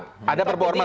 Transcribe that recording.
tapi diatur dengan baik